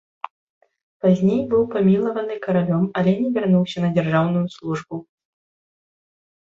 Пазней быў памілаваны каралём, але не вярнуўся на дзяржаўную службу.